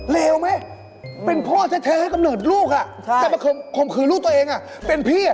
เลวไหมเป็นพ่อแต่เธอจะกำหนดลูกน่ะแต่มาข่มขือลูกตัวเองเป็นพี่